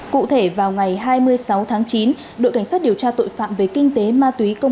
cụ thể vào ngày hai mươi sáu chín đội cảnh sát điều tra tội phạm về kinh tế ma túy công an huyện lộc ninh